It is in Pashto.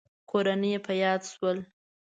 کورنۍ يې په ياد شول.